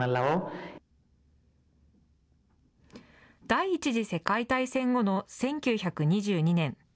第１次世界大戦後の１９２２年。